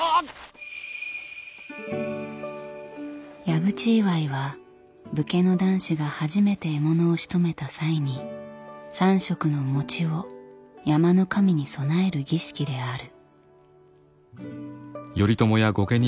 矢口祝いは武家の男子が初めて獲物をしとめた際に３色の餅を山の神に供える儀式である。